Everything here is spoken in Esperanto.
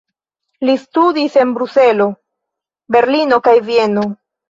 Li studis en Bruselo, Berlino kaj Vieno.